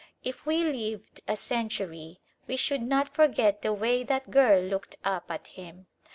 If we lived a century we should not forget the way that girl looked up at him.